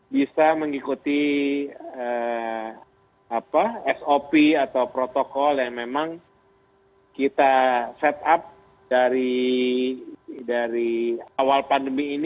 bisa mengikuti sop atau protokol yang memang kita set up dari awal pandemi ini